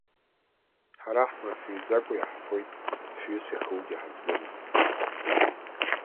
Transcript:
Ҳара ҳмафыҩӡакәа иаҳфоит, фҩыс иахугьы ҳаздыруам.